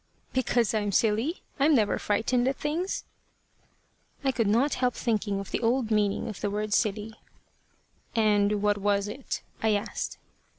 "Because I'm silly. I'm never frightened at things." I could not help thinking of the old meaning of the word silly. "And what was it?" I asked.